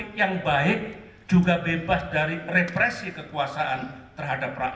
kepengenalan masyarakat ketika mereka deras